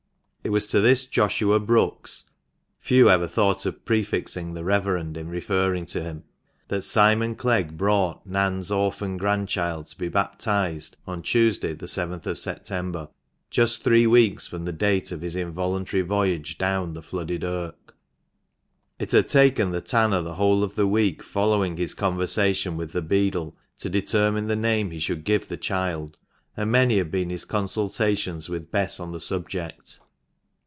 It was to this Joshua Brookes (few ever thought of prefixing the " Reverend " in referring to him) that Simon Clegg brought " Nan's " orphan grandchild to be baptised on Tuesday, the yth of September, just three weeks from the date of his involuntary voyage down the flooded Irk. It had taken the tanner the whole of the week following his conversation with the beadle to determine the name he should give the child, and many had been his consultations with Bess on the subject.